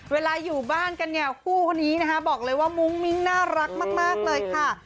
อยู่บ้านกันเนี่ยคู่คนนี้นะคะบอกเลยว่ามุ้งมิ้งน่ารักมากเลยค่ะ